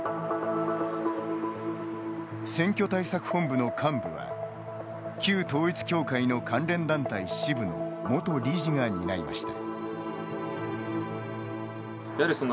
選挙対策本部の幹部は旧統一教会の関連団体支部の元理事が担いました。